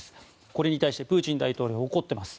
これに対して、プーチン大統領は怒っています。